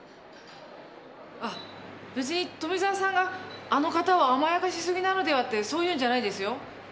あっ別に富沢さんがあの方を甘やかしすぎなのではってそういうんじゃないですよ。